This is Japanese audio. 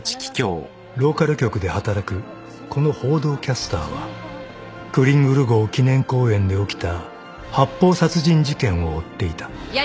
［ローカル局で働くこの報道キャスターはクリングル号記念公園で起きた発砲殺人事件を追っていた］